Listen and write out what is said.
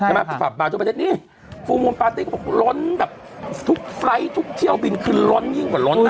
ใช่ค่ะผับบางที่ประเทศนี้ล้นแบบทุกไฟ้ทุกเที่ยวบินคืนล้นนี่กว่าล้นน่ะ